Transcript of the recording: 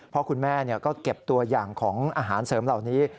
พ่อแม่ก็เก็บตัวอย่างของอาหารเสริมเหล่านี้